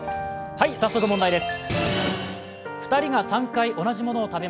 早速問題です。